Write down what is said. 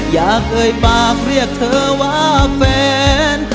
เอ่ยปากเรียกเธอว่าแฟน